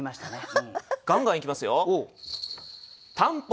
ガンガンいきますよ。